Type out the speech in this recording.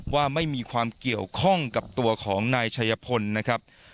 ว่าไม่มีความเกี่ยวข้องกับตัวของนายชัยพลนะครับ